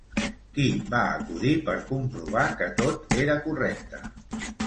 Qui va acudir per comprovar que tot era correcte?